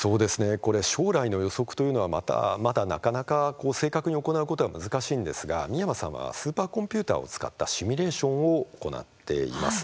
これ将来の予測というのはまだなかなか正確に行うことが難しいんですが、美山さんはスーパーコンピューターを使ったシミュレーションを行っています。